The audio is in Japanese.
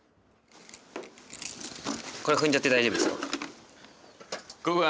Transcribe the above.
これ踏んじゃって大丈夫ですよ。